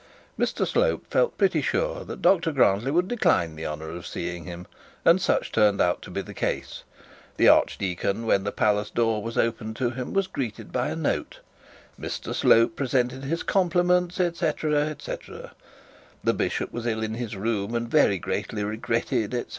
Mr Slope felt pretty sure that Dr Grantly would decline the honour of seeing him, and such turned out to be the case. The archdeacon, when the palace door was opened to him, was greeted by a note. Mr Slope presented his compliments &c, &c. The bishop was ill in his room, and very greatly regretted, &c &c.